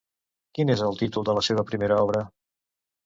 Quin és el títol de la seva primera obra?